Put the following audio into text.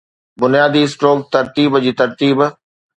بنيادي-اسٽروڪ ترتيب جي ترتيب